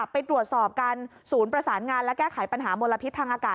ไปตรวจสอบกันศูนย์ประสานงานและแก้ไขปัญหามลพิษทางอากาศ